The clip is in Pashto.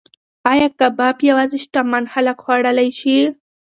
ایا کباب یوازې شتمن خلک خوړلی شي؟